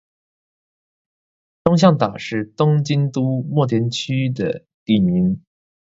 东向岛是东京都墨田区的地名。